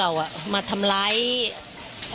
เป็นวันที่๑๕ธนวาคมแต่คุณผู้ชมค่ะกลายเป็นวันที่๑๕ธนวาคม